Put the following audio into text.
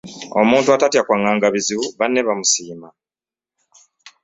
Omuntu atatya kwanganga bizibu banne bamusiima .